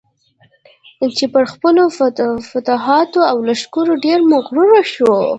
چې پر خپلو فتوحاتو او لښکرو ډېر مغرور شو.